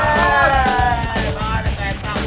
keren kan keren kan